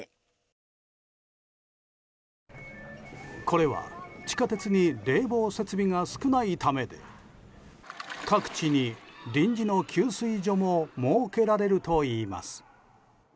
これは地下鉄に冷房設備が少ないためで各地に臨時の給水所も設けられるといいます。